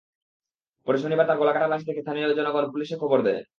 পরে শনিবার তাঁর গলাকাটা লাশ দেখে স্থানীয় লোকজন পুলিশে খবর দেন।